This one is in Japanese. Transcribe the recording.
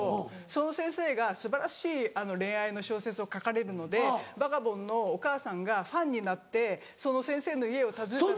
その先生が素晴らしい恋愛の小説を書かれるのでバカボンのお母さんがファンになってその先生の家を訪ねた時に。